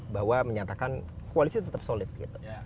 bahwa menyatakan koalisi tetap solid gitu